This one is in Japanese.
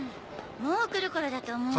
もう来る頃だと思うけど。